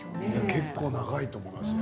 結構長いと思いますよ